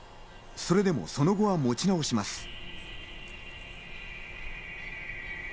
それでも、その後は持ち直します。